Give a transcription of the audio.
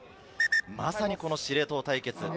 まさに司令塔対決。